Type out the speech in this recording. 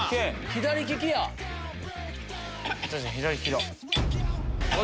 左利きだ。